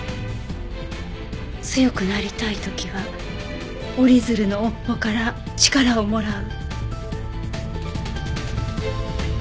「強くなりたい時は折り鶴の尾っぽから力をもらう」。